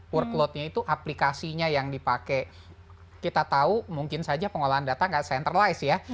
workloadnya itu aplikasinya yang dipakai kita tahu mungkin saja pengolahan data nggak centralized ya